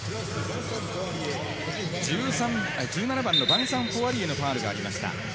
１７番のヴァンサン・ポワリエのファールがありました。